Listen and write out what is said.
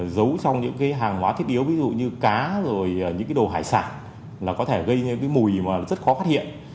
giấu trong những cái hàng hóa thiết yếu ví dụ như cá rồi những cái đồ hải sản là có thể gây cái mùi mà rất khó phát hiện